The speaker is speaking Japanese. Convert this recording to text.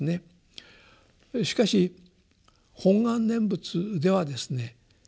しかし本願念仏ではですね